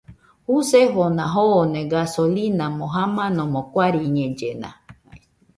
Jusefona joone gasolimo jamanomo guariñellena